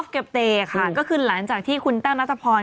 เก็บเตค่ะก็คือหลังจากที่คุณแต้วนัทพร